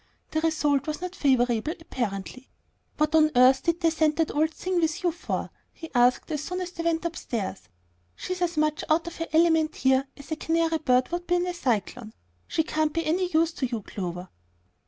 The result was not favorable, apparently. "What on earth did they send that old thing with you for?" he asked as soon as they went upstairs. "She's as much out of her element here as a canary bird would be in a cyclone. She can't be any use to you, Clover."